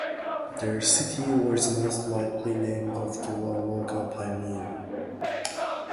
The city was most likely named after a local pioneer.